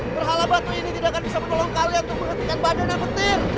berhala batu ini tidak akan bisa menolong kalian untuk menghentikan badan yang petir